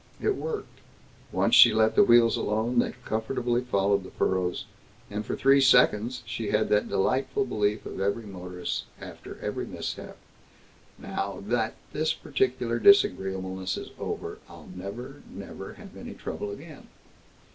It worked. Once she let the wheels alone they comfortably followed the furrows, and for three seconds she had that delightful belief of every motorist after every mishap, "Now that this particular disagreeableness is over, I'll never, never have any trouble again!"